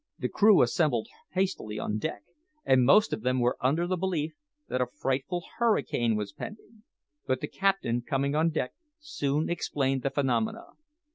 The crew assembled hastily on deck, and most of them were under the belief that a frightful hurricane was pending; but the captain, coming on deck, soon explained the phenomena.